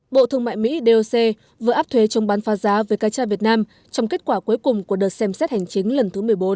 bộ thương mại mỹ doc vừa áp thuế trong bán pha giá về ca cha việt nam trong kết quả cuối cùng của đợt xem xét hành chính lần thứ một mươi bốn